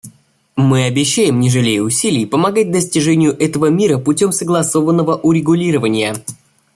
Мы обещаем, не жалея усилий, помогать достижению этого мира путем согласованного урегулирования.